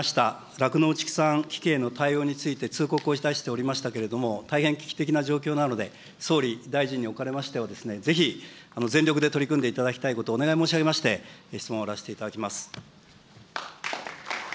酪農、畜産危機への対応について、通告をいたしておりましたけれども、大変危機的な状況なので、総理、大臣におかれましては、ぜひ全力で取り組んでいただきたいことをお願い申し上げまして、質問を終わらせていただきます。